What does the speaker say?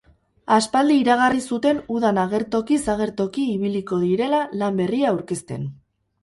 Aspaldi iragarri zuten udan agertokiz agertoki ibiliko direla lan berria aurkezten.